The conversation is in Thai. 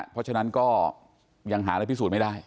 เพราะฉะนั้นก็ยังหาอะไรพิสูจน์ไม่ได้